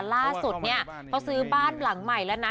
ล่าสุดเนี่ยเขาซื้อบ้านหลังใหม่แล้วนะ